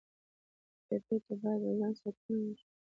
ټپي ته باید د ځان ساتنه وښیو.